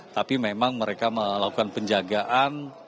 tapi memang mereka melakukan penjagaan